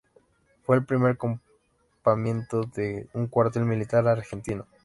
Fue el primer copamiento de un cuartel militar argentino.